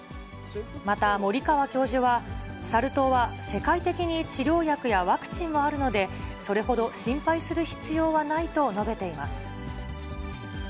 また、森川教授は、サル痘は世界的に治療薬やワクチンもあるので、それほど心配する必要はないと述べています。